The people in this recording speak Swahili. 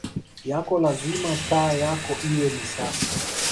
yako lazima taa yako iwe ni sasa